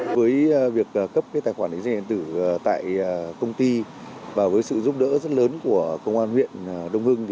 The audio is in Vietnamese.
với việc cấp tài khoản định danh điện tử tại công ty và với sự giúp đỡ rất lớn của công an huyện đông hưng